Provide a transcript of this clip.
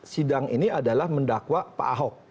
sidang ini adalah mendakwa pak ahok